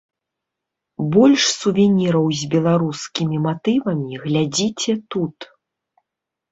Больш сувеніраў з беларускімі матывамі глядзіце тут.